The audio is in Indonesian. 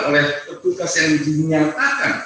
oleh petugas yang dinyatakan